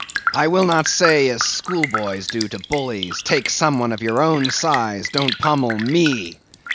I will not say as schoolboys do to bullies—Take some one of your own size; don't pommel _me!